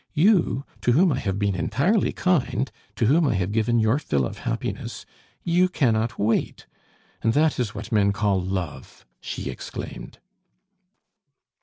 You, to whom I have been entirely kind, to whom I have given your fill of happiness you cannot wait! And that is what men call love!" she exclaimed.